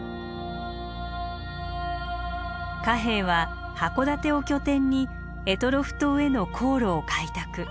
嘉兵衛は函館を拠点に択捉島への航路を開拓。